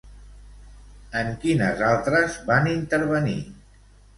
En quines altres van intervenir?